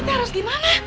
tante harus gimana